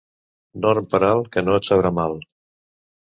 Dorm per alt, que no et sabrà mal.